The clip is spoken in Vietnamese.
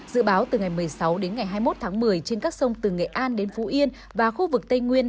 dự báo từ ngày một mươi sáu đến ngày hai mươi một tháng một mươi trên các sông từ nghệ an đến phú yên và khu vực tây nguyên